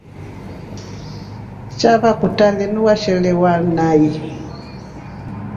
Chava kutaa linu washelewa nai?